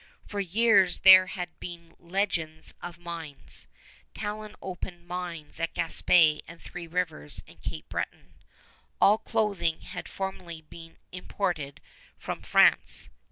For years there had been legends of mines. Talon opened mines at Gaspé and Three Rivers and Cape Breton. All clothing had formerly been imported from France.